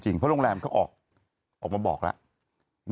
เพราะโรงแรมเขาออกมาบอกแล้ว